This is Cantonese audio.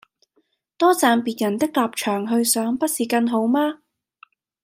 多站別人的立場去想不是更好嗎？